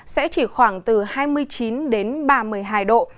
sẽ chỉ khoảng từ hai mươi chín đến ba mươi hai độ